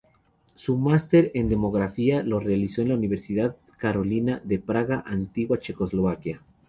Su máster en Demografía lo realizó en la Universidad Carolina de Praga, antigua Checoslovaquia.